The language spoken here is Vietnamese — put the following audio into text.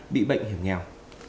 bị bệnh hiểm nghèo